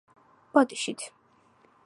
ბოდიშით